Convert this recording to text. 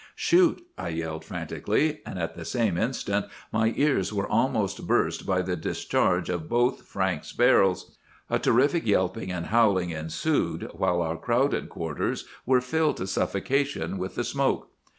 "'Shoot,' I yelled frantically; and at the same instant my ears were almost burst by the discharge of both Frank's barrels. A terrific yelping and howling ensued, while our crowded quarters were filled to suffocation with the smoke.